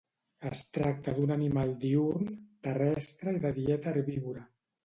Es tracta d'un animal diürn, terrestre i de dieta herbívora.